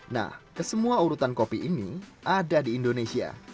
nah kesemua urutan kopi ini ada di indonesia